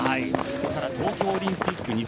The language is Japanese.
東京オリンピック